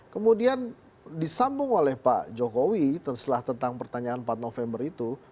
kemudian disambung oleh pak jokowi setelah tentang pertanyaan empat november itu